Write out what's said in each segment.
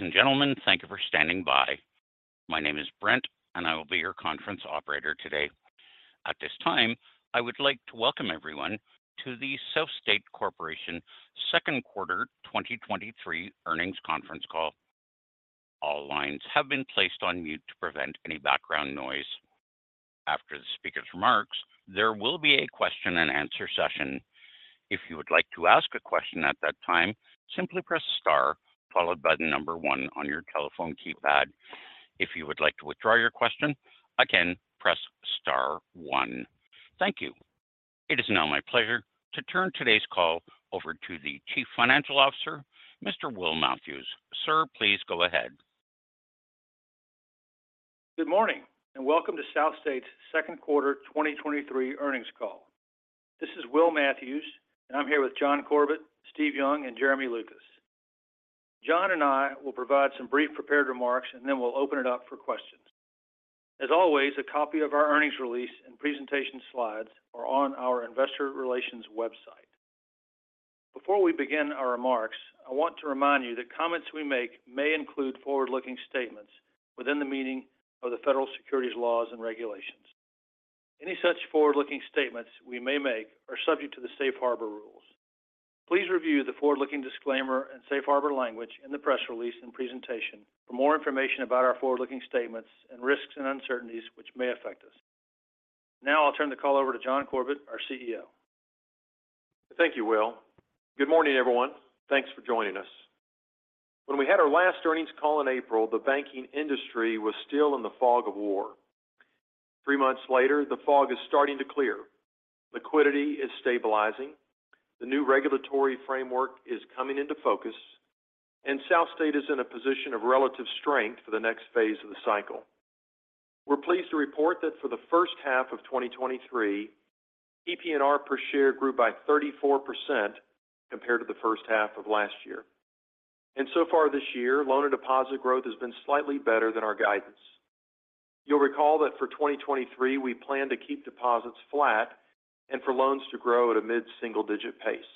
Ladies and gentlemen, thank you for standing by. My name is Brent, and I will be your conference operator today. At this time, I would like to welcome everyone to the SouthState Corporation second quarter 2023 earnings conference call. All lines have been placed on mute to prevent any background noise. After the speaker's remarks, there will be a question and answer session. If you would like to ask a question at that time, simply press Star followed by the number one on your telephone keypad. If you would like to withdraw your question, again, press Star one. Thank you. It is now my pleasure to turn today's call over to the Chief Financial Officer, Mr. Will Mathews. Sir, please go ahead. Good morning, and welcome to SouthState's second quarter 2023 earnings call. This is Will Mathews, and I'm here with John Corbett, Steve Young, and Jeremy Lucas. John and I will provide some brief prepared remarks, and then we'll open it up for questions. As always, a copy of our earnings release and presentation slides are on our investor relations website. Before we begin our remarks, I want to remind you that comments we make may include forward-looking statements within the meaning of the federal securities laws and regulations. Any such forward-looking statements we may make are subject to the safe harbor rules. Please review the forward-looking disclaimer and safe harbor language in the press release and presentation for more information about our forward-looking statements and risks and uncertainties which may affect us. Now I'll turn the call over to John Corbett, our CEO. Thank you, Will. Good morning, everyone. Thanks for joining us. When we had our last earnings call in April, the banking industry was still in the fog of war. Three months later, the fog is starting to clear. Liquidity is stabilizing, the new regulatory framework is coming into focus, and SouthState is in a position of relative strength for the next phase of the cycle. We're pleased to report that for the first half of 2023, PPNR per share grew by 34% compared to the first half of last year. So far this year, loan and deposit growth has been slightly better than our guidance. You'll recall that for 2023, we plan to keep deposits flat and for loans to grow at a mid-single-digit pace.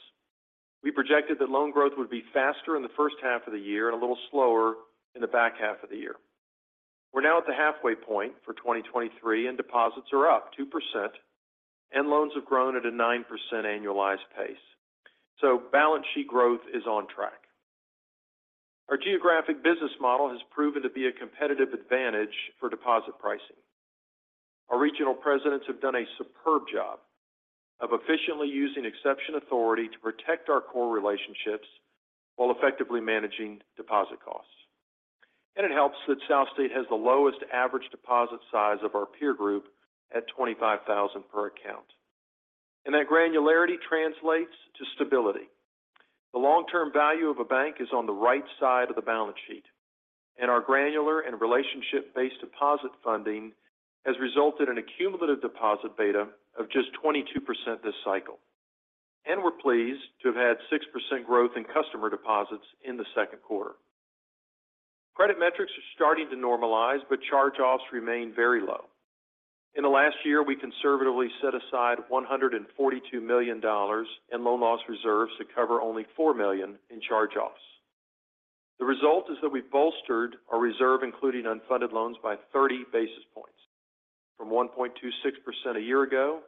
We projected that loan growth would be faster in the first half of the year and a little slower in the back half of the year. We're now at the halfway point for 2023, deposits are up 2%, and loans have grown at a 9% annualized pace. Balance sheet growth is on track. Our geographic business model has proven to be a competitive advantage for deposit pricing. Our regional presidents have done a superb job of efficiently using exception authority to protect our core relationships while effectively managing deposit costs. It helps that SouthState has the lowest average deposit size of our peer group at $25,000 per account, and that granularity translates to stability. The long-term value of a bank is on the right side of the balance sheet, and our granular and relationship-based deposit funding has resulted in a cumulative deposit beta of just 22% this cycle. We're pleased to have had 6% growth in customer deposits in the second quarter. Credit metrics are starting to normalize, but charge-offs remain very low. In the last year, we conservatively set aside $142 million in loan loss reserves to cover only $4 million in charge-offs. The result is that we bolstered our reserve, including unfunded loans, by 30 basis points from 1.26% a year ago,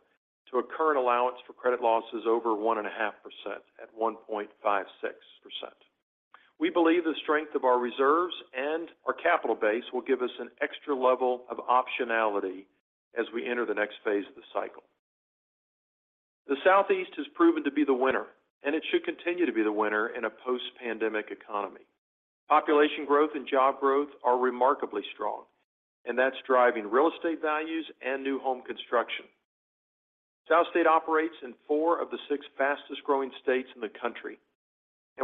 to a current allowance for credit losses over 1.5% at 1.56%. We believe the strength of our reserves and our capital base will give us an extra level of optionality as we enter the next phase of the cycle. The Southeast has proven to be the winner, it should continue to be the winner in a post-pandemic economy. Population growth and job growth are remarkably strong, that's driving real estate values and new home construction. SouthState operates in four of the six fastest growing states in the country,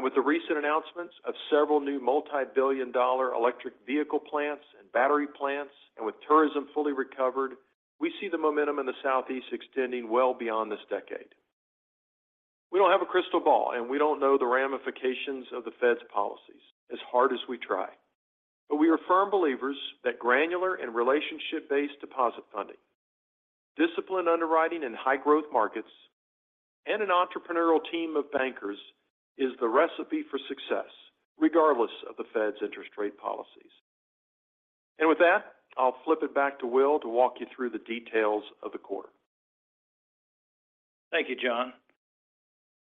with the recent announcements of several new multi-billion dollar electric vehicle plants and battery plants, with tourism fully recovered, we see the momentum in the Southeast extending well beyond this decade. We don't have a crystal ball, we don't know the ramifications of the Fed's policies as hard as we try. We are firm believers that granular and relationship-based deposit funding, discipline underwriting in high growth markets, and an entrepreneurial team of bankers is the recipe for success, regardless of the Fed's interest rate policies. With that, I'll flip it back to Will to walk you through the details of the quarter. Thank you, John.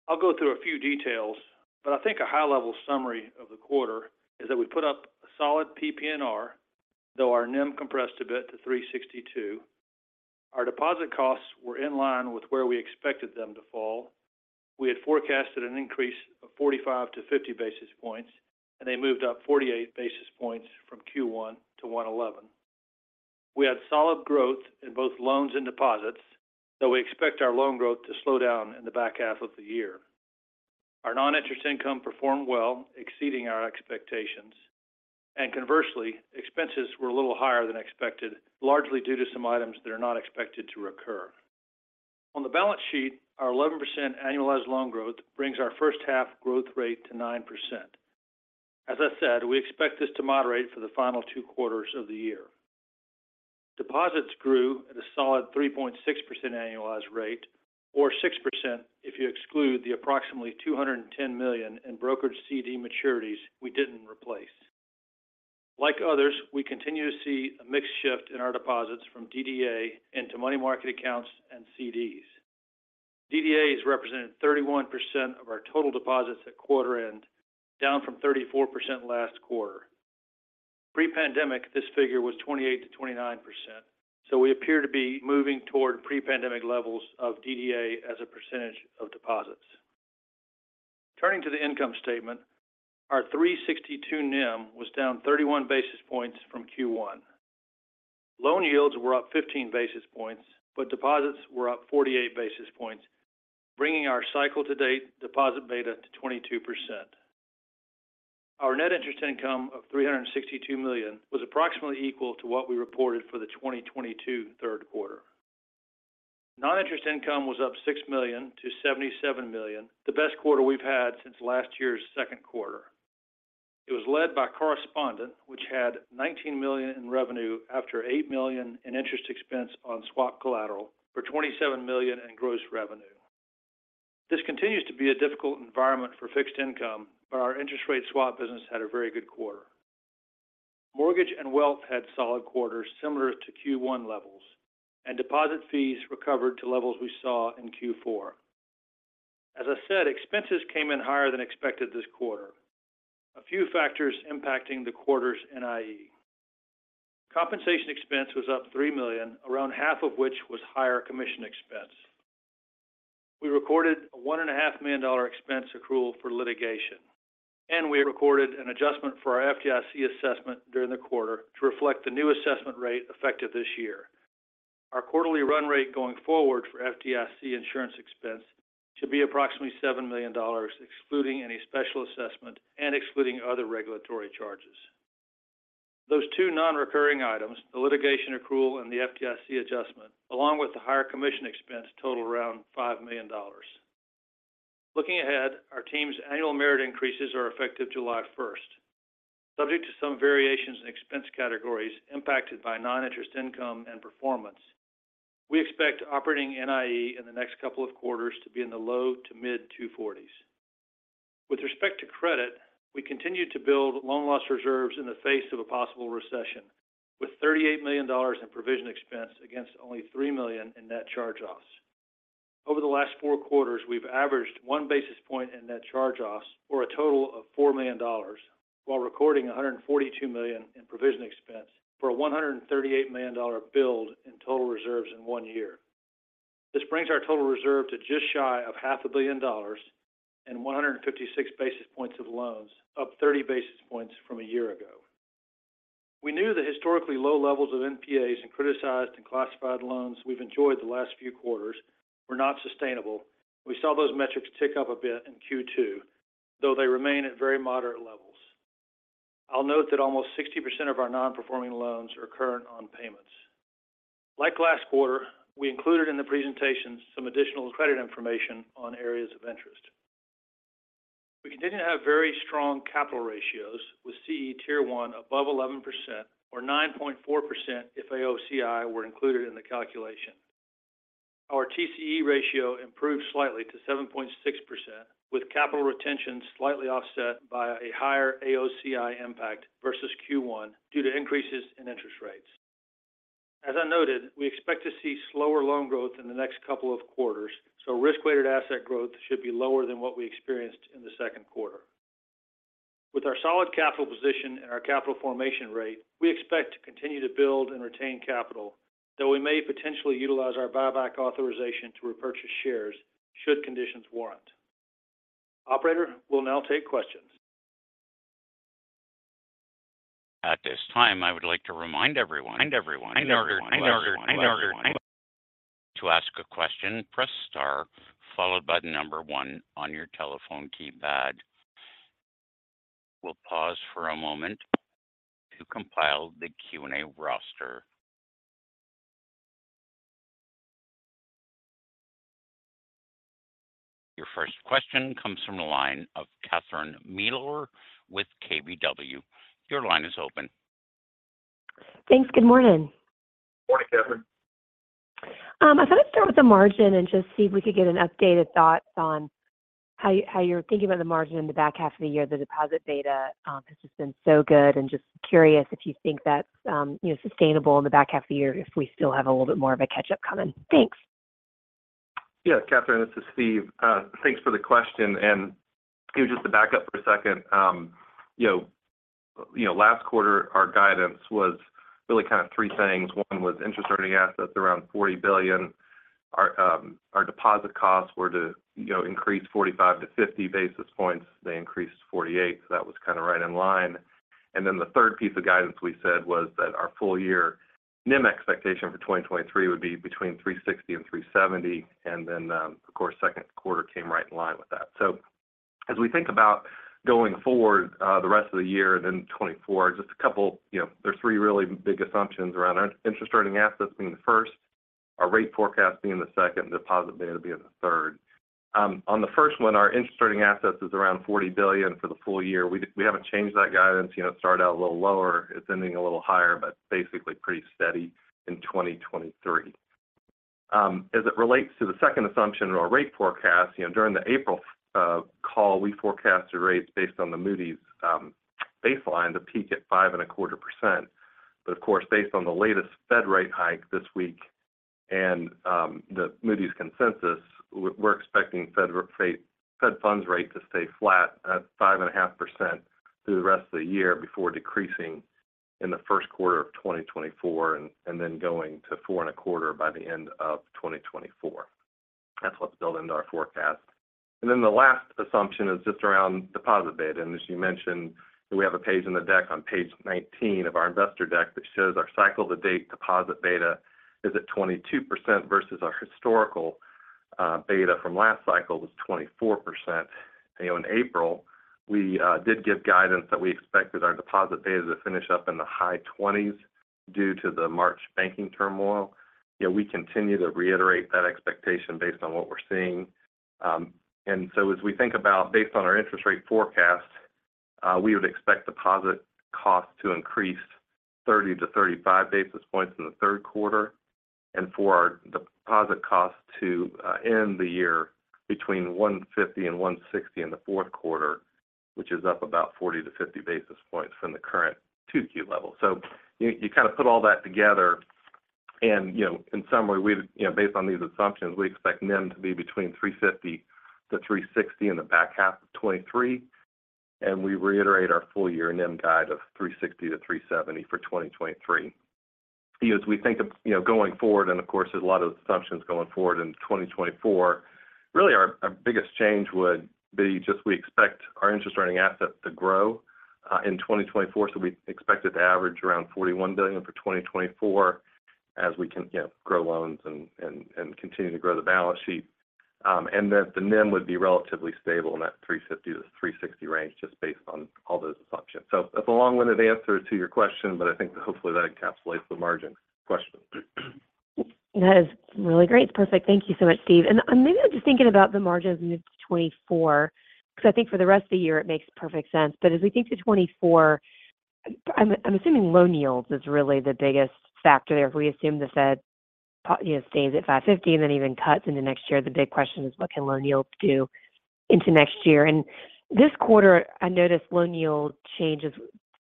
I'll go through a few details, but I think a high-level summary of the quarter is that we put up a solid PPNR, though our NIM compressed a bit to 3.62%. Our deposit costs were in line with where we expected them to fall. We had forecasted an an increase of 45-50 basis points, and they moved up 48 basis points from Q1 to 111. We had solid growth in both loans and deposits, though we expect our loan growth to slow down in the back half of the year. Our non-interest income performed well, exceeding our expectations, and conversely, expenses were a little higher than expected, largely due to some items that are not expected to recur. On the balance sheet, our 11% annualized loan growth brings our first half growth rate to 9%. As I said, we expect this to moderate for the final two quarters of the year.... Deposits grew at a solid 3.6% annualized rate, or 6% if you exclude the approximately $210 million in brokered CD maturities we didn't replace. Like others, we continue to see a mixed shift in our deposits from DDA into money market accounts and CDs. DDA has represented 31% of our total deposits at quarter end, down from 34% last quarter. Pre-pandemic, this figure was 28%-29%, so we appear to be moving toward pre-pandemic levels of DDA as a percentage of deposits. Turning to the income statement, our 3.62 NIM was down 31 basis points from Q1. Loan yields were up 15 basis points, but deposits were up 48 basis points, bringing our cycle-to-date deposit beta to 22%. Our net interest income of $362 million was approximately equal to what we reported for the 2022 third quarter. Non-interest income was up $6 million to $77 million, the best quarter we've had since last year's second quarter. It was led by correspondent, which had $19 million in revenue after $8 million in interest expense on swap collateral for $27 million in gross revenue. This continues to be a difficult environment for fixed income, but our interest rate swap business had a very good quarter. Mortgage and wealth had solid quarters similar to Q1 levels, deposit fees recovered to levels we saw in Q4. As I said, expenses came in higher than expected this quarter. A few factors impacting the quarter's NIE. Compensation expense was up $3 million, around half of which was higher commission expense. We recorded a $1.5 million expense accrual for litigation. We recorded an adjustment for our FDIC assessment during the quarter to reflect the new assessment rate effective this year. Our quarterly run rate going forward for FDIC insurance expense should be approximately $7 million, excluding any special assessment and excluding other regulatory charges. Those two non-recurring items, the litigation accrual and the FDIC adjustment, along with the higher commission expense, total around $5 million. Looking ahead, our team's annual merit increases are effective July first. Subject to some variations in expense categories impacted by non-interest income and performance, we expect operating NIE in the next couple of quarters to be in the low to mid 240s. With respect to credit, we continue to build loan loss reserves in the face of a possible recession, with $38 million in provision expense against only $3 million in net charge-offs. Over the last four quarters, we've averaged one basis point in net charge-offs, or a total of $4 million, while recording $142 million in provision expense for a $138 million build in total reserves in one year. This brings our total reserve to just shy of $500 million and 156 basis points of loans, up 30 basis points from a year ago. We knew the historically low levels of NPAs and criticized and classified loans we've enjoyed the last few quarters were not sustainable. We saw those metrics tick up a bit in Q2, though they remain at very moderate levels. I'll note that almost 60% of our non-performing loans are current on payments. Like last quarter, we included in the presentation some additional credit information on areas of interest. We continue to have very strong capital ratios with CE Tier One above 11%, or 9.4% if AOCI were included in the calculation. Our TCE ratio improved slightly to 7.6%, with capital retention slightly offset by a higher AOCI impact versus Q1 due to increases in interest rates. As I noted, we expect to see slower loan growth in the next couple of quarters, so risk-weighted asset growth should be lower than what we experienced in the second quarter. With our solid capital position and our capital formation rate, we expect to continue to build and retain capital, though we may potentially utilize our buyback authorization to repurchase shares should conditions warrant. Operator, we'll now take questions. At this time, I would like to remind everyone to ask a question, press star, followed by the one on your telephone keypad. We'll pause for a moment to compile the Q&A roster. Your first question comes from the line of Catherine Mealor with KBW. Your line is open. Thanks. Good morning. Morning, Catherine. I thought I'd start with the margin and just see if we could get an updated thoughts on how you, how you're thinking about the margin in the back half of the year. The deposit beta has just been so good, and just curious if you think that's, you know, sustainable in the back half of the year or if we still have a little bit more of a catch-up coming. Thanks. Yeah, Catherine, this is Steve. Thanks for the question, and just to back up for a second, last quarter our guidance was really kind of three things. One was interest-earning assets around $40 billion. Our deposit costs were to increase 45-50 basis points. They increased 48, so that was kind of right in line. The third piece of guidance we said was that our full year NIM expectation for 2023 would be between 3.60% and 3.70%, and then, of course, second quarter came right in line with that. As we think about going forward, the rest of the year and then 2024, just a couple, there's three really big assumptions around it. Interest-earning assets being the first.... our rate forecast being the second, deposit beta being the third. On the first one, our interest-earning assets is around $40 billion for the full year. We, we haven't changed that guidance. You know, it started out a little lower, it's ending a little higher, but basically pretty steady in 2023. As it relates to the second assumption or our rate forecast, you know, during the April call, we forecasted rates based on the Moody's baseline to peak at 5.25%. Of course, based on the latest Fed rate hike this week and the Moody's consensus, we're expecting Fed funds rate to stay flat at 5.5% through the rest of the year before decreasing in 1Q 2024, and then going to 4.25 by the end of 2024. That's what's built into our forecast. Then the last assumption is just around deposit beta. As you mentioned, we have a page in the deck on page 19 of our investor deck that shows our cycle-to-date deposit beta is at 22% versus our historical beta from last cycle was 24%. You know, in April, we did give guidance that we expected our deposit beta to finish up in the high 20s due to the March banking turmoil. You know, we continue to reiterate that expectation based on what we're seeing. As we think about based on our interest rate forecast, we would expect deposit costs to increase 30 to 35 basis points in the third quarter, and for our deposit cost to end the year between 1.50% and 1.60% in the fourth quarter, which is up about 40 to 50 basis points from the current 2Q level. You, you kind of put all that together and, you know, in summary, we, you know, based on these assumptions, we expect NIM to be between 3.50% to 3.60% in the back half of 2023, and we reiterate our full year NIM guide of 3.60% to 3.70% for 2023. As we think of, you know, going forward, and of course, there's a lot of assumptions going forward into 2024, really, our, our biggest change would be just we expect our interest-earning assets to grow in 2024. We expect it to average around $41 billion for 2024 as we can, you know, grow loans and, and, and continue to grow the balance sheet. That the NIM would be relatively stable in that 3.50%-3.60% range, just based on all those assumptions. That's a long-winded answer to your question, but I think hopefully that encapsulates the margin question. That is really great. Perfect. Thank you so much, Steve. Maybe I'm just thinking about the margins into 2024, because I think for the rest of the year, it makes perfect sense. As we think to 2024, I'm assuming loan yields is really the biggest factor there. If we assume the Fed, you know, stays at 5.50 and then even cuts into next year, the big question is: what can loan yields do into next year? This quarter, I noticed loan yield changes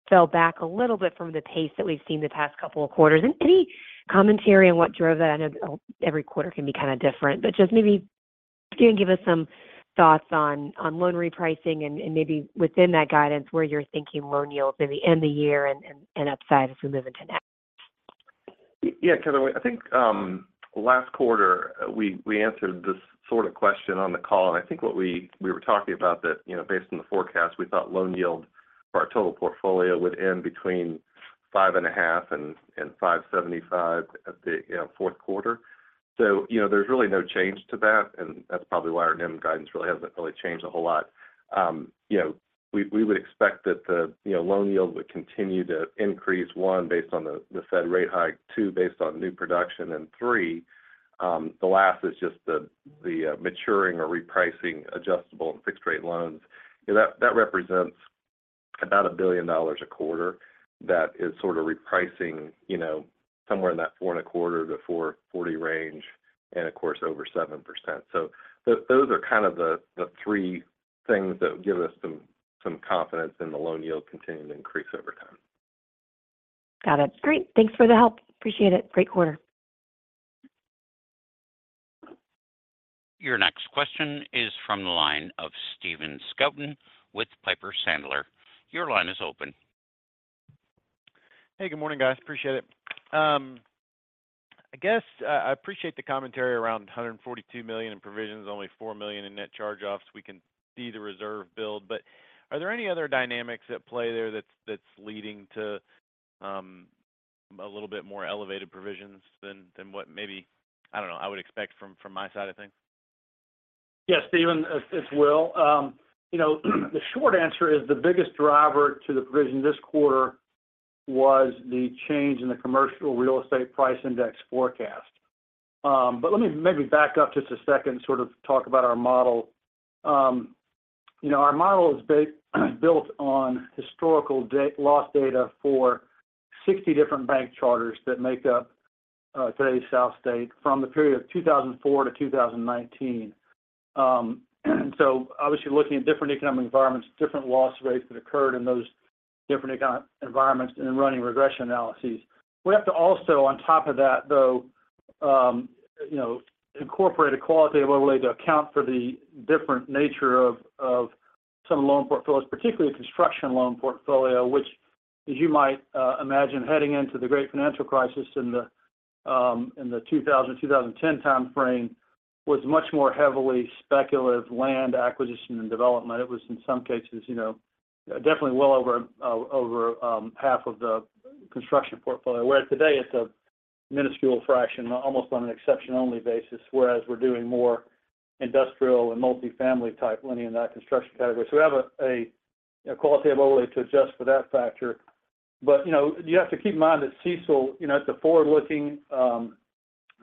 fell back a little bit from the pace that we've seen the past couple of quarters. Any commentary on what drove that? I know every quarter can be kind of different, but just maybe can give us some thoughts on, on loan repricing and, and maybe within that guidance, where you're thinking loan yields in the end of the year and, and, and upside as we move into next? Yeah, Catherine, I think last quarter, we answered this sort of question on the call, and I think what we were talking about that, you know, based on the forecast, we thought loan yield for our total portfolio would end between 5.5% and 5.75% at the, you know, fourth quarter. You know, there's really no change to that, and that's probably why our NIM guidance really hasn't really changed a whole lot. You know, we would expect that the, you know, loan yield would continue to increase, one, based on the Fed rate hike; two, based on new production; and three, the last is just the maturing or repricing adjustable and fixed-rate loans. That represents about $1 billion a quarter. That is sort of repricing, you know, somewhere in that 4.25%-4.40% range, and of course, over 7%. Those are kind of the, the three things that give us some, some confidence in the loan yield continuing to increase over time. Got it. Great. Thanks for the help. Appreciate it. Great quarter. Your next question is from the line of Stephen Scouten with Piper Sandler. Your line is open. Hey, good morning, guys. Appreciate it. I guess, I appreciate the commentary around $142 million in provisions, only $4 million in net charge-offs. We can see the reserve build, but are there any other dynamics at play there that's, that's leading to a little bit more elevated provisions than, than what maybe, I don't know, I would expect from, from my side of things? Yeah, Stephen, it's, it's Will. You know, the short answer is the biggest driver to the provision this quarter was the change in the Commercial Real Estate price index forecast. Let me maybe back up just a second and sort of talk about our model. You know, our model is built on historical loss data for 60 different bank charters that make up today's SouthState from the period of 2004 to 2019. Obviously, looking at different economic environments, different loss rates that occurred in those different environments and running regression analyses. We have to also on top of that, though, you know, incorporate a qualitative overlay to account for the different nature of, of some loan portfolios, particularly the construction loan portfolio, which as you might imagine, heading into the Great Financial Crisis in the 2000, 2010 time frame, was much more heavily speculative land acquisition and development. It was, in some cases, you know, definitely well over, over half of the construction portfolio, where today it's a minuscule fraction, almost on an exception-only basis, whereas we're doing more industrial and multifamily-type lending in that construction category. We have a, a, a qualitative overlay to adjust for that factor.... but, you know, you have to keep in mind that CECL, you know, it's a forward-looking,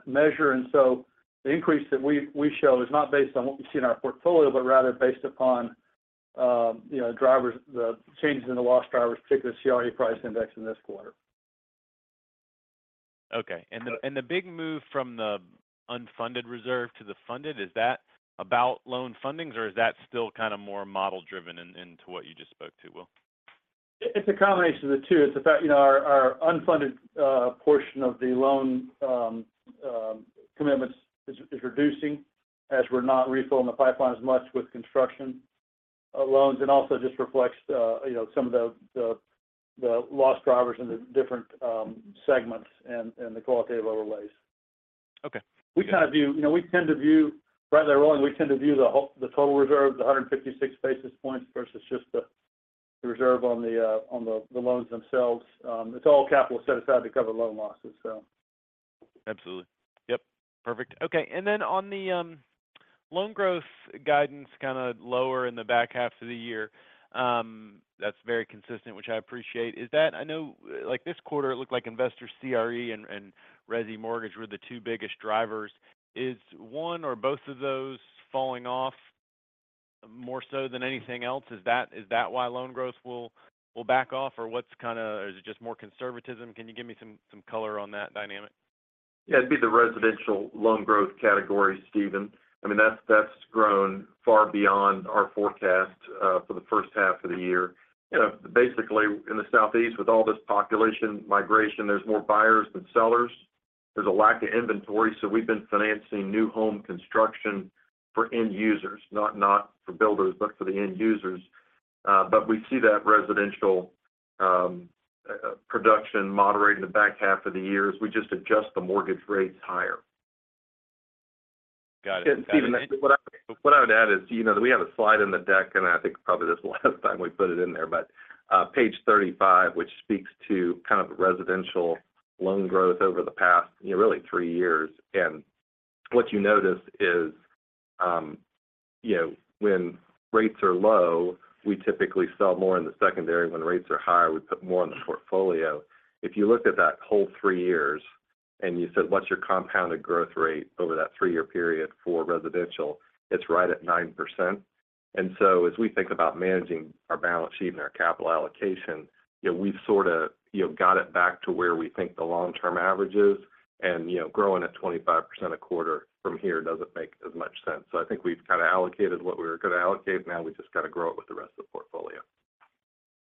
measure. So the increase that we, we show is not based on what we see in our portfolio, but rather based upon, you know, drivers, the changes in the loss drivers, particularly the CRE price index in this quarter. Okay. The big move from the unfunded reserve to the funded, is that about loan fundings, or is that still kind of more model-driven in, into what you just spoke to, Will? It, it's a combination of the two. It's the fact, you know, our, our unfunded, portion of the loan, commitments is, is reducing as we're not refilling the pipeline as much with construction, loans, and also just reflects, you know, some of the, the, the loss drivers in the different, segments and, and the qualitative overlays. Okay. We kind of view, you know, we tend to view, rather than rolling, we tend to view the total reserve, the 156 basis points, versus just the, the reserve on the, on the, the loans themselves. It's all capital set aside to cover loan losses, so. Absolutely. Yep, perfect. Okay, and then on the loan growth guidance, kind of lower in the back half of the year, that's very consistent, which I appreciate. I know, like this quarter, it looked like investor CRE and resi mortgage were the two biggest drivers. Is one or both of those falling off more so than anything else? Is that, is that why loan growth will back off, or what's is it just more conservatism? Can you give me some color on that dynamic? Yeah, it'd be the residential loan growth category, Stephen. I mean, that's, that's grown far beyond our forecast for the first half of the year. You know, basically, in the Southeast, with all this population migration, there's more buyers than sellers. There's a lack of inventory, so we've been financing new home construction for end users, not, not for builders, but for the end users. We see that residential production moderating the back half of the years. We just adjust the mortgage rates higher. Got it. Got it. Steven, what I, what I would add is, you know, that we have a slide in the deck, and I think probably this is the last time we put it in there, but page 35, which speaks to kind of residential loan growth over the past, you know, really three years. What you notice is, you know, when rates are low, we typically sell more in the secondary. When rates are higher, we put more in the portfolio. If you looked at that whole three years, and you said, "What's your compounded growth rate over that three-year period for residential?" It's right at 9%. As we think about managing our balance sheet and our capital allocation, you know, we've sort of, you know, got it back to where we think the long-term average is. You know, growing at 25% a quarter from here doesn't make as much sense. I think we've kind of allocated what we were going to allocate. We've just got to grow it with the rest of the portfolio.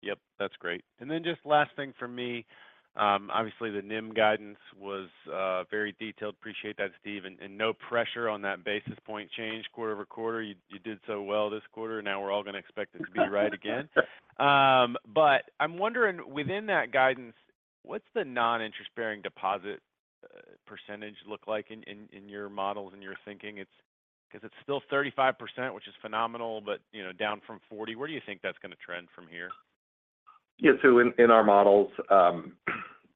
Yep, that's great. Then just last thing for me, obviously, the NIM guidance was very detailed. Appreciate that, Steve. No pressure on that basis point change quarter-over-quarter. You, you did so well this quarter, now we're all going to expect it to be right again. I'm wondering, within that guidance, what's the non-interest-bearing deposit percentage look like in, in, in your models and your thinking? Because it's still 35%, which is phenomenal, but, you know, down from 40. Where do you think that's going to trend from here? Yeah, in, in our models,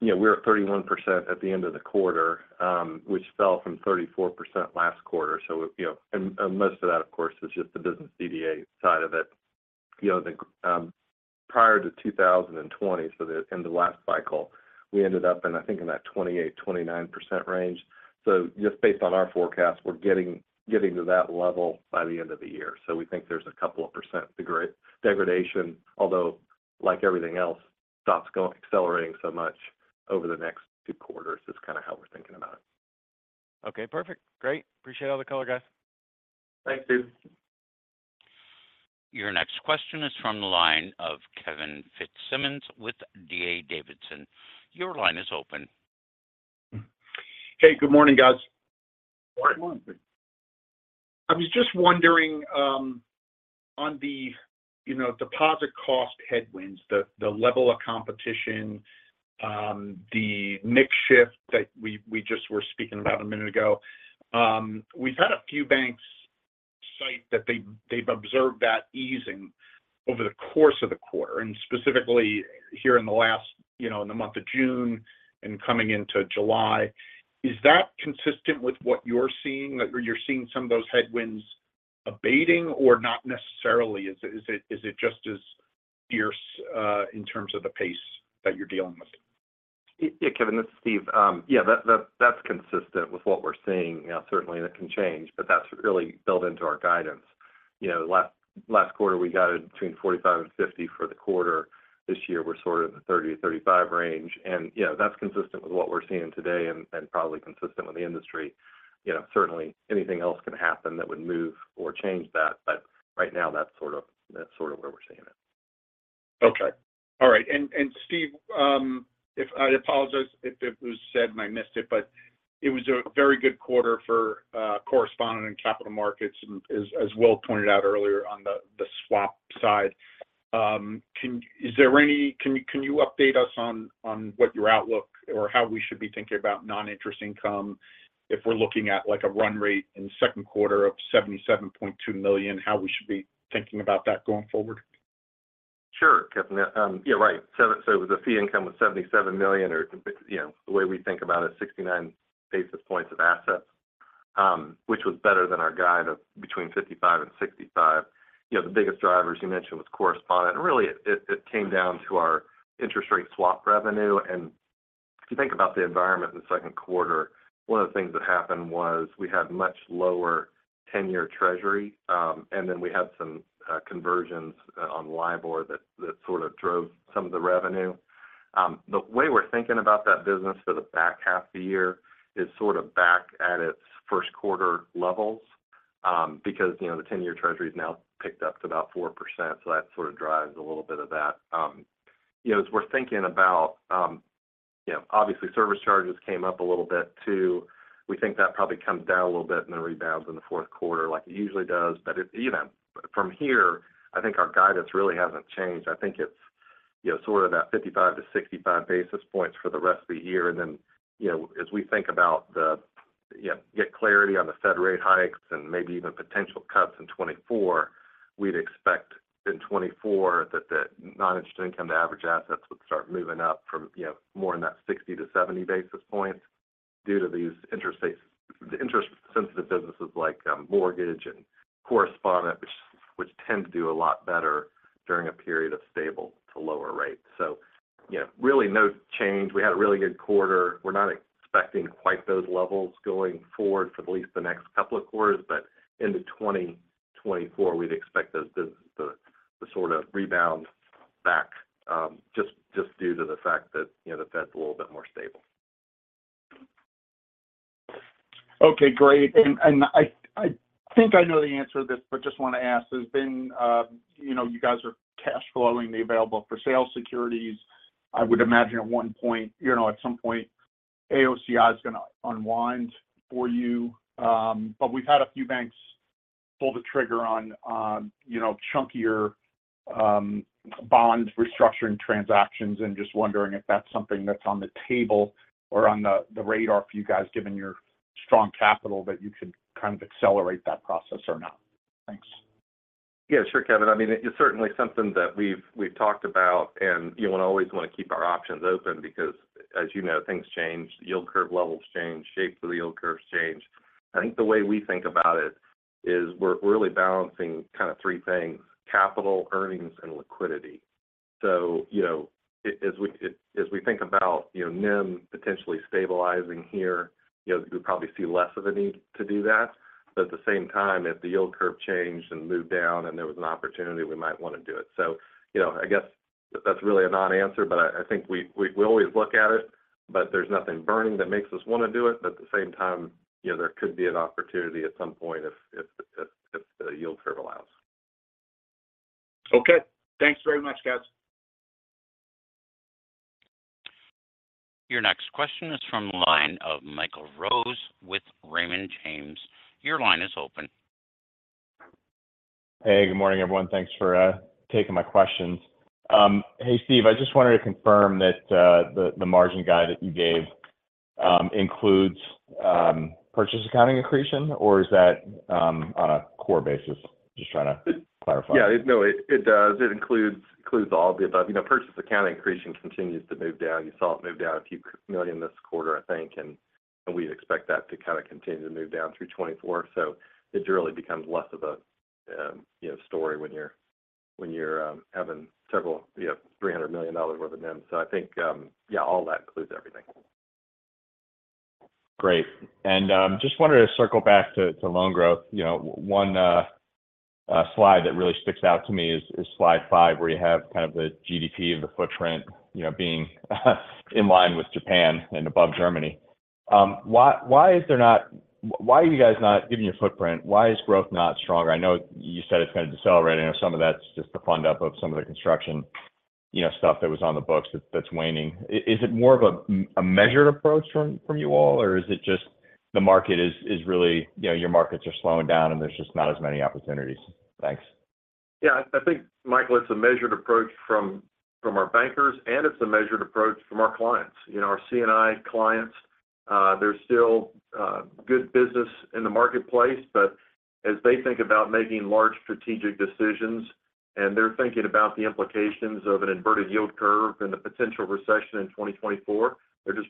you know, we're at 31% at the end of the quarter, which fell from 34% last quarter. You know, most of that, of course, is just the business DDA side of it. You know, prior to 2020, in the last cycle, we ended up in, I think, in that 28%-29% range. Just based on our forecast, we're getting to that level by the end of the year. We think there's a couple of percent degradation, although, like everything else, stops going, accelerating so much over the next two quarters. That's kind of how we're thinking about it. Okay, perfect. Great. Appreciate all the color, guys. Thanks, Steve. Your next question is from the line of Kevin Fitzsimmons with D.A. Davidson. Your line is open. Hey, good morning, guys. Good morning. I was just wondering, on the, you know, deposit cost headwinds, the, the level of competition, the mix shift that we, we just were speaking about one minute ago, we've had a few banks cite that they've, they've observed that easing over the course of the quarter, and specifically here in the last, you know, in the month of June and coming into July. Is that consistent with what you're seeing? That you're seeing some of those headwinds abating, or not necessarily? Is it, is it, is it just as fierce, in terms of the pace that you're dealing with? Yeah, Kevin, this is Steve. Yeah, that, that's consistent with what we're seeing. Now, certainly, that can change, but that's really built into our guidance. You know, last, last quarter, we guided between 45 and 50 for the quarter. This year, we're sort of in the 30-35 range, and, you know, that's consistent with what we're seeing today and probably consistent with the industry. You know, certainly, anything else can happen that would move or change that, but right now, that's sort of, that's sort of where we're seeing it. Okay. All right. And Steve, if I'd apologize if it was said and I missed it, but it was a very good quarter for correspondent and capital markets and as Will pointed out earlier, on the swap side. Can you, can you update us on what your outlook or how we should be thinking about non-interest income if we're looking at, like, a run rate in the second quarter of $77.2 million, how we should be thinking about that going forward? Sure, Kevin. Yeah, right. The fee income was $77 million, or, you know, the way we think about it, 69 basis points of assets. which was better than our guide of between 55 and 65. You know, the biggest drivers you mentioned was correspondent, and really it, it came down to our interest rate swap revenue. If you think about the environment in the second quarter, one of the things that happened was we had much lower 10-year Treasury, and then we had some, conversions on LIBOR that, that sort of drove some of the revenue. The way we're thinking about that business for the back half of the year is sort of back at its first quarter levels, because, you know, the 10-year Treasury has now picked up to about 4%, that sort of drives a little bit of that. You know, as we're thinking about, you know, obviously, service charges came up a little bit, too. We think that probably comes down a little bit and then rebounds in the fourth quarter, like it usually does. Even from here, I think our guidance really hasn't changed. I think it's, you know, sort of that 55-65 basis points for the rest of the year. You know, as we think about the, you know, get clarity on the Fed rate hikes and maybe even potential cuts in 2024, we'd expect in 2024 that the non-interest income to average assets would start moving up from, you know, more in that 60-70 basis points due to these interest-rate- the interest-sensitive businesses like mortgage and correspondent, which, which tend to do a lot better during a period of stable to lower rates. You know, really no change. We had a really good quarter. We're not expecting quite those levels going forward for at least the next couple of quarters, but into 2024, we'd expect the, the, the, the sort of rebound back, just, just due to the fact that, you know, the Fed's a little bit more stable. Okay, great. I, I think I know the answer to this, but just want to ask. There's been, you know, you guys are cash flowing the available-for-sale securities. I would imagine at one point- you know, at some point, AOCI is going to unwind for you. We've had a few banks pull the trigger on, on, you know, chunkier, bond restructuring transactions. Just wondering if that's something that's on the table or on the, the radar for you guys, given your strong capital, that you could kind of accelerate that process or not? Thanks. Yeah, sure, Kevin. I mean, it's certainly something that we've, we've talked about. You want to always want to keep our options open because, as you know, things change, yield curve levels change, shapes of the yield curves change. I think the way we think about it is we're really balancing kind of three things: capital, earnings, and liquidity. You know, as we, as we think about, you know, NIM potentially stabilizing here, you know, we probably see less of a need to do that. At the same time, if the yield curve changed and moved down and there was an opportunity, we might want to do it. You know, I guess that's really a non-answer, but I, I think we, we always look at it, but there's nothing burning that makes us want to do it. At the same time, you know, there could be an opportunity at some point if, if, if, if the yield curve allows. Okay. Thanks very much, guys. Your next question is from the line of Michael Rose with Raymond James. Your line is open. Hey, good morning, everyone. Thanks for taking my questions. Hey, Steve, I just wanted to confirm that the margin guide that you gave includes purchase accounting accretion, or is that on a core basis? Just trying to clarify. Yeah, no, it, it does. It includes, includes all of the above. You know, purchase accounting accretion continues to move down. You saw it move down a few million this quarter, I think, and we'd expect that to kind of continue to move down through 2024. It really becomes less of a, you know, story when you're, when you're, having several, you know, $300 million worth of NIM. I think, yeah, all that includes everything. Great. just wanted to circle back to, to loan growth. You know, one slide that really sticks out to me is slide five, where you have kind of the GDP and the footprint, you know, being in line with Japan and above Germany. Why, why is there not... Why are you guys not given your footprint, why is growth not stronger? I know you said it's going to decelerate, and some of that's just the fund up of some of the construction, you know, stuff that was on the books that, that's waning. Is it more of a measured approach from, from you all, or is it just the market is, is really, you know, your markets are slowing down, and there's just not as many opportunities? Thanks. Yeah, I, I think, Michael, it's a measured approach from, from our bankers, and it's a measured approach from our clients. You know, our C&I clients, there's still good business in the marketplace, but as they think about making large strategic decisions and they're thinking about the implications of an inverted yield curve and the potential recession in 2024, they're just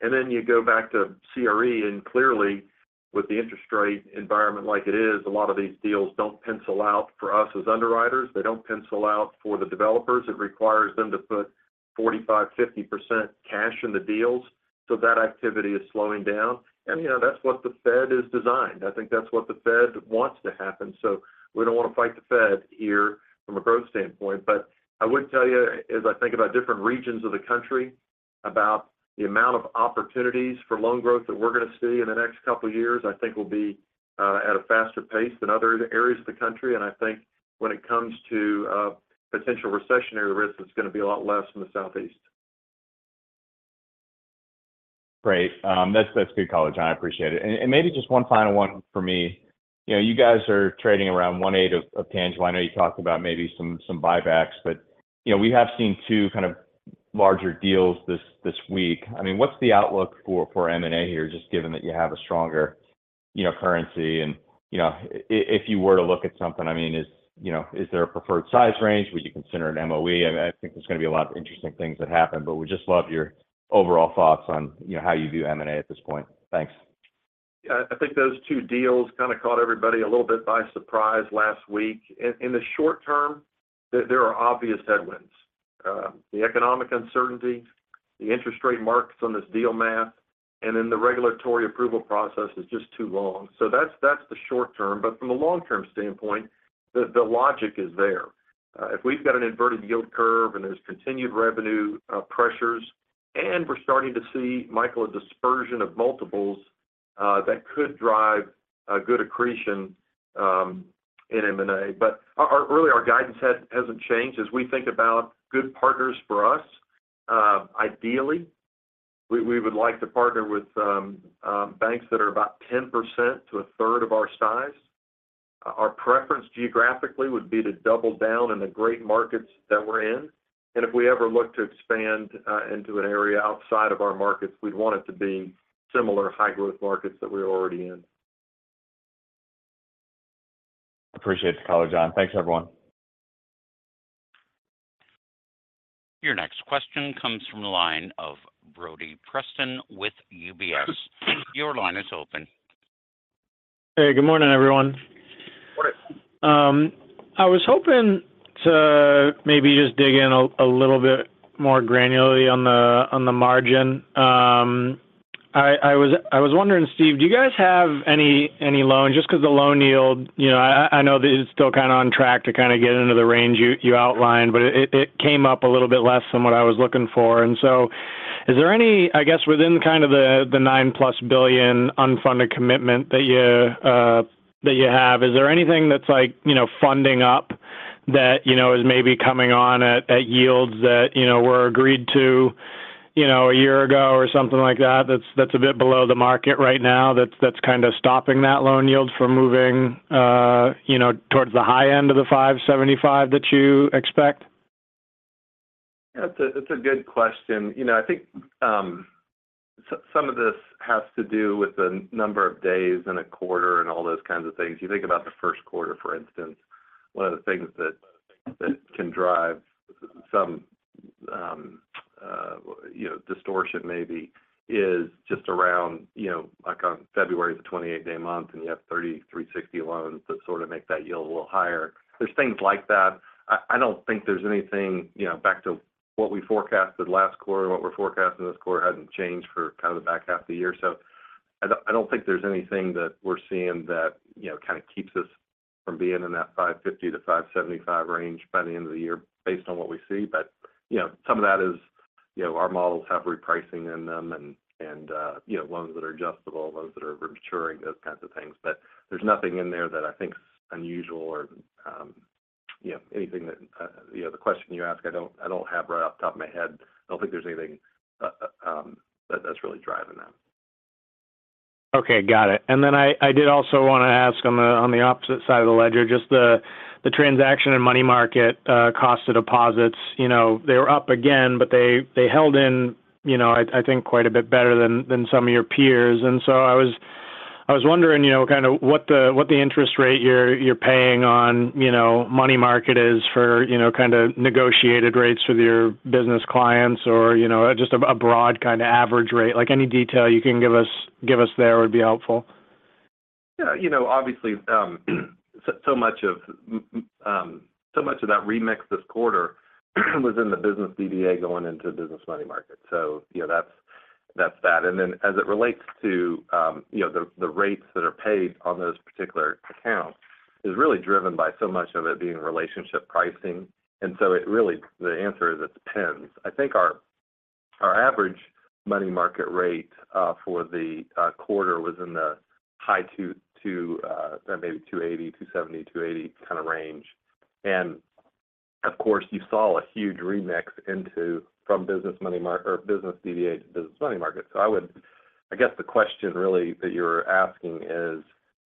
being more cautious. You go back to CRE, and clearly, with the interest rate environment like it is, a lot of these deals don't pencil out for us as underwriters. They don't pencil out for the developers. It requires them to put 45%, 50% cash in the deals, that activity is slowing down. You know, that's what the Fed has designed. I think that's what the Fed wants to happen. We don't want to fight the Fed here from a growth standpoint. I would tell you, as I think about different regions of the country, about the amount of opportunities for loan growth that we're going to see in the next couple of years, I think will be at a faster pace than other areas of the country. I think when it comes to potential recessionary risk, it's going to be a lot less in the Southeast. Great. That's, that's good color, John. I appreciate it. Maybe just one final one for me. You know, you guys are trading around 1/8 of, of tangible. I know you talked about maybe some, some buybacks, but, you know, we have seen two kind of larger deals this, this week. I mean, what's the outlook for, for M&A here, just given that you have a stronger, you know, currency and, you know, if you were to look at something, I mean, is, you know, is there a preferred size range? Would you consider an MOE? I, I think there's going to be a lot of interesting things that happen, but we'd just love your overall thoughts on, you know, how you view M&A at this point. Thanks. I, I think those two deals kind of caught everybody a little bit by surprise last week. In the short term, there, there are obvious headwinds. The economic uncertainty, the interest rate marks on this deal math, and then the regulatory approval process is just too long. That's, that's the short term. From a long-term standpoint, the, the logic is there. If we've got an inverted yield curve and there's continued revenue pressures, and we're starting to see, Michael, a dispersion of multiples, that could drive a good accretion in M&A. Really, our guidance has- hasn't changed. As we think about good partners for us, ideally, we, we would like to partner with banks that are about 10% to a third of our size. Our preference geographically would be to double down in the great markets that we're in, and if we ever look to expand into an area outside of our markets, we'd want it to be similar high-growth markets that we're already in. Appreciate the call, John. Thanks, everyone. Your next question comes from the line of Brody Preston with UBS. Your line is open. Hey, good morning, everyone. Morning. I was hoping to maybe just dig in a little bit more granularly on the margin. I was wondering, Steve, do you guys have any loans? Just because the loan yield, you know, I know that it's still kind of on track to get into the range you outlined, but it came up a little bit less than what I was looking for. Is there any, I guess, within kind of the, the $9+ billion unfunded commitment that you, that you have, is there anything that's like, you know, funding up that, you know, is maybe coming on at, at yields that, you know, were agreed to, you know, a year ago or something like that, that's, that's a bit below the market right now, that's, that's kind of stopping that loan yield from moving, you know, towards the high end of the 5.75% that you expect? That's a good question. You know, I think, some of this has to do with the number of days in a quarter and all those kinds of things. You think about the first quarter, for instance, one of the things that, that can drive some, you know, distortion maybe is just around, you know, like on February is a 28-day month, and you have 3360 loans that sort of make that yield a little higher. There's things like that. I don't think there's anything, you know, back to what we forecasted last quarter, what we're forecasting this quarter, hasn't changed for kind of the back half of the year. I don't, I don't think there's anything that we're seeing that, you know, kind of keeps us from being in that 550-575 range by the end of the year based on what we see. You know, some of that is, you know, our models have repricing in them and, and, you know, loans that are adjustable, loans that are maturing, those kinds of things. There's nothing in there that I think is unusual or, you know, anything that... You know, the question you ask, I don't, I don't have right off the top of my head. I don't think there's anything that, that's really driving that. Okay, got it. I, I did also want to ask on the, on the opposite side of the ledger, just the, the transaction and money market cost of deposits. They were up again, they, they held in, you know, I, I think, quite a bit better than, than some of your peers. I was wondering, you know, kind of what the, what the interest rate you're, you're paying on, you know, money market is for, you know, kind of negotiated rates with your business clients or, you know, just a, a broad kind of average rate. Any detail you can give us, give us there would be helpful. Yeah, you know, obviously, so much of that remix this quarter was in the business DDA going into business money market. You know, that's, that's that. As it relates to, you know, the rates that are paid on those particular accounts is really driven by so much of it being relationship pricing, and so it really, the answer is it depends. I think our average money market rate for the quarter was in the high two to maybe 2.70-2.80 kind of range. Of course, you saw a huge remix from business money market or business DDA to business money market. I guess the question really that you're asking is: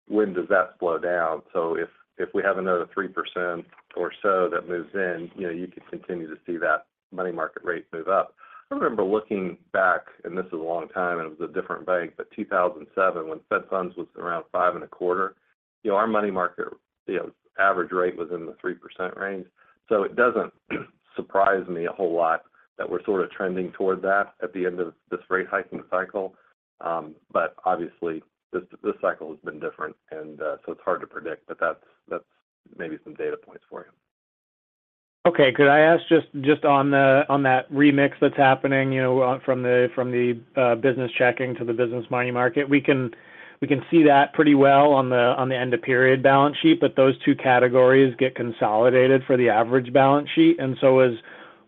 when does that slow down? If, if we have another 3% or so that moves in, you know, you could continue to see that money market rate move up. I remember looking back, and this is a long time, and it was a different bank, but 2007, when Fed funds was around 5.25%, you know, our money market, you know, average rate was in the 3% range. It doesn't surprise me a whole lot that we're sort of trending toward that at the end of this rate hiking cycle. Obviously, this, this cycle has been different, and so it's hard to predict, but that's, that's maybe some data points for you. Okay. Could I ask just, just on that remix that's happening, you know, from the, from the, business checking to the business money market? We can, we can see that pretty well on the, on the end of period balance sheet, but those two categories get consolidated for the average balance sheet.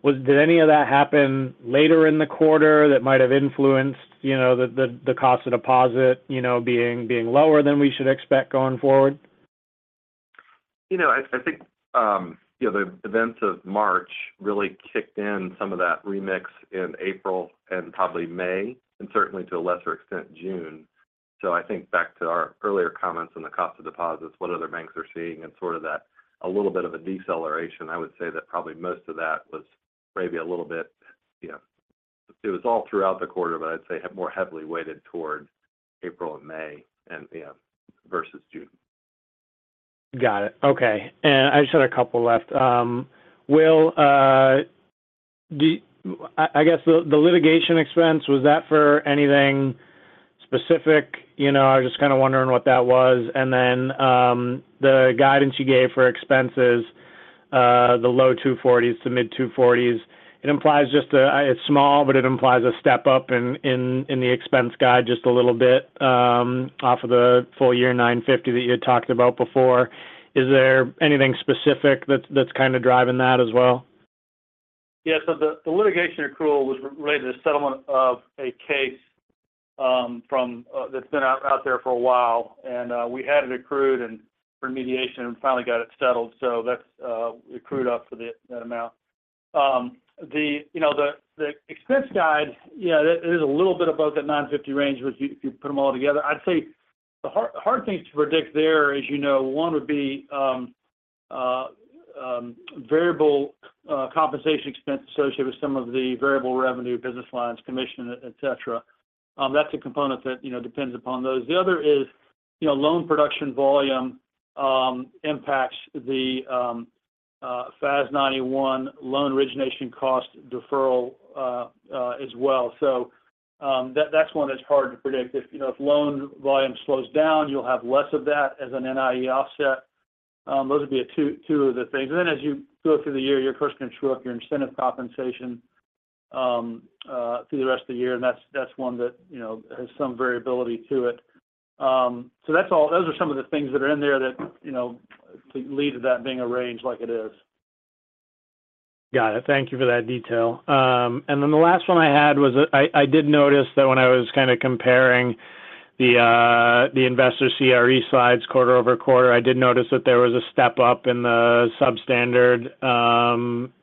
Did any of that happen later in the quarter that might have influenced, you know, the, the, the cost of deposit, you know, being, being lower than we should expect going forward? You know, I, I think, you know, the events of March really kicked in some of that remix in April and probably May, and certainly to a lesser extent, June. I think back to our earlier comments on the cost of deposits, what other banks are seeing, and sort of that, a little bit of a deceleration, I would say that probably most of that was maybe a little bit, you know, it was all throughout the quarter, but I'd say more heavily weighted towards April and May, and, yeah, versus June. Got it. Okay. I just had a couple left. Well, the litigation expense, was that for anything specific? You know, I was just kind of wondering what that was. The guidance you gave for expenses, the low $240s to mid $240s, it implies just a, it's small, but it implies a step up in the expense guide just a little bit, off of the full year $950 that you had talked about before. Is there anything specific that's kind of driving that as well? Yeah. The litigation accrual was related to the settlement of a case from that's been out, out there for a while. We had it accrued and for mediation, and finally got it settled. That's accrued up for that amount. The, you know, the expense guide, yeah, there's a little bit about that $950 range, which if you, if you put them all together. I'd say the hard things to predict there, as you know, one would be variable compensation expense associated with some of the variable revenue, business lines, commission, et cetera. That's a component that, you know, depends upon those. The other is, you know, loan production volume impacts the FAS 91 loan origination cost deferral as well. That's one that's hard to predict. If, you know, if loan volume slows down, you'll have less of that as an NIE offset. Those would be two, two of the things. As you go through the year, your costs control, your incentive compensation through the rest of the year, and that's, that's one that, you know, has some variability to it. That's all, those are some of the things that are in there that, you know, lead to that being a range like it is. Got it. Thank you for that detail. Then the last one I had was that I, I did notice that when I was kind of comparing the, the investor CRE slides quarter-over-quarter, I did notice that there was a step up in the substandard,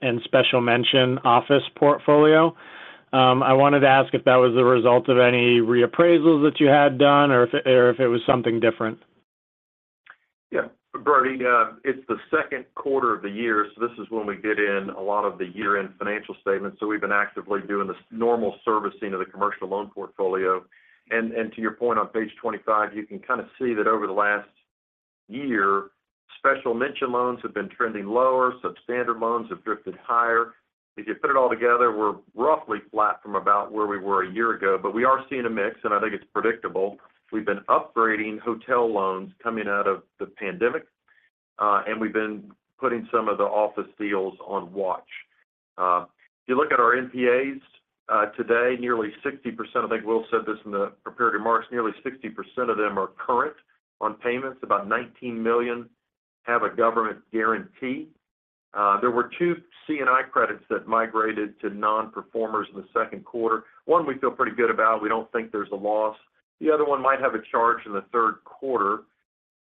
and special mention office portfolio. I wanted to ask if that was the result of any reappraisals that you had done or if it, or if it was something different. Yeah. Brody, it's the 2nd quarter of the year, this is when we get in a lot of the year-end financial statements. And to your point, on page 25, you can kind of see that over the last year, special mention loans have been trending lower, substandard loans have drifted higher. If you put it all together, we're roughly flat from about where we were a year ago, we are seeing a mix, and I think it's predictable. We've been upgrading hotel loans coming out of the pandemic, and we've been putting some of the office deals on watch. If you look at our NPAs, today, nearly 60%, I think Will said this in the prepared remarks, nearly 60% of them are current on payments. About $19 million have a government guarantee. There were two C&I credits that migrated to non-performers in the second quarter. One we feel pretty good about. We don't think there's a loss. The other one might have a charge in the third quarter,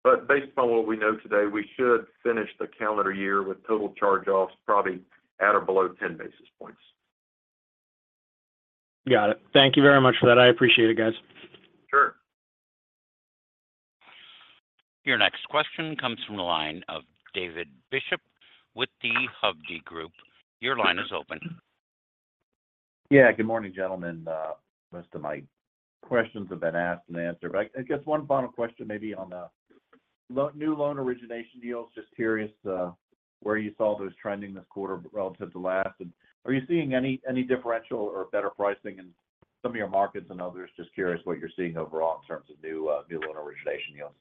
but based on what we know today, we should finish the calendar year with total charge-offs probably at or below 10 basis points. Got it. Thank you very much for that. I appreciate it, guys. Sure. Your next question comes from the line of David Bishop with the Hovde Group. Your line is open. Yeah, good morning, gentlemen. Most of my questions have been asked and answered. I guess one final question, maybe on the new loan origination deals. Just curious, where you saw those trending this quarter relative to last. Are you seeing any, any differential or better pricing in some of your markets and others? Just curious what you're seeing overall in terms of new, new loan origination deals.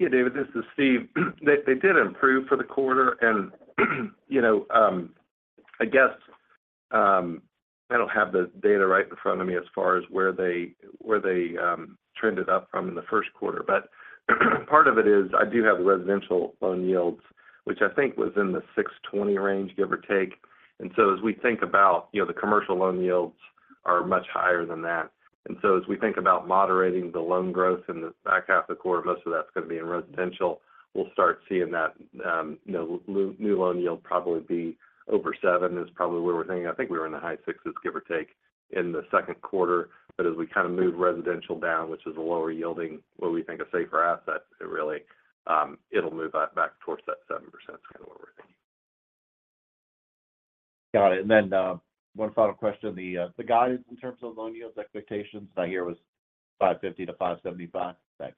Yeah, David, this is Steve. They, they did improve for the quarter, and, you know, I guess, I don't have the data right in front of me as far as where they, where they, trended up from in the first quarter. Part of it is I do have residential loan yields, which I think was in the 620 range, give or take. As we think about-- you know, the commercial loan yields are much higher than that. As we think about moderating the loan growth in the back half of the quarter, most of that's going to be in residential. We'll start seeing that, you know, new loan yield probably be over seven is probably where we're thinking. I think we're in the high 6s, give or take, in the second quarter. As we kind of move residential down, which is a lower yielding, what we think a safer asset, it really, it'll move back, back towards that 7%. It's kind of where we're thinking. Got it. Then, one final question. The guidance in terms of loan yields expectations, I hear it was 5.50%-5.75%? Thanks.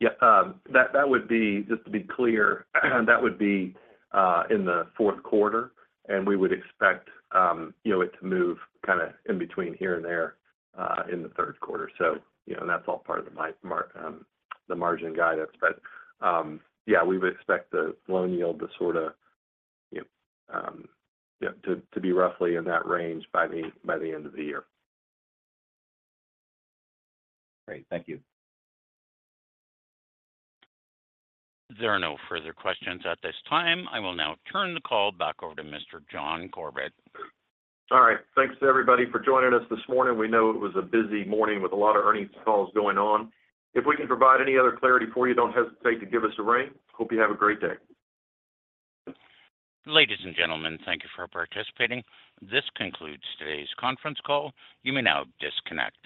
Yeah, that, that would be, just to be clear, that would be, in the fourth quarter, and we would expect, you know, it to move kind of in between here and there, in the third quarter. You know, that's all part of the margin guidance. Yeah, we would expect the loan yield to sort of, yeah, to, to be roughly in that range by the, by the end of the year. Great. Thank you. There are no further questions at this time. I will now turn the call back over to Mr. John Corbett. All right. Thanks, everybody, for joining us this morning. We know it was a busy morning with a lot of earnings calls going on. If we can provide any other clarity for you, don't hesitate to give us a ring. Hope you have a great day. Ladies and gentlemen, thank you for participating. This concludes today's conference call. You may now disconnect.